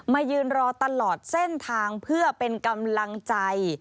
ยืนรอตลอดเส้นทางเพื่อเป็นกำลังใจ